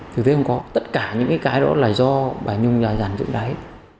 thực tế không có tất cả những cái đó là do bà nhung dành dự đáy